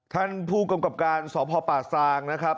ท่านผู้กำกับการสพป่าซางนะครับ